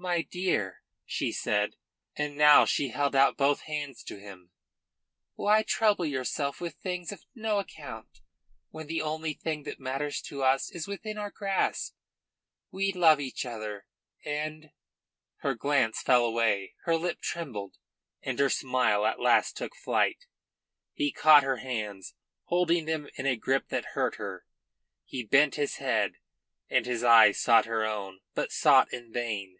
"My dear," she said, and now she held out both hands to him, "why trouble yourself with things of no account, when the only thing that matters to us is within our grasp? We love each other, and " Her glance fell away, her lip trembled, and her smile at last took flight. He caught her hands, holding them in a grip that hurt her; he bent his head, and his eyes sought her own, but sought in vain.